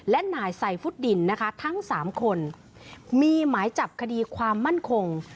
และนายไซฟุตดินนะคะทั้งสามคนมีหมายจับคดีความมั่นคง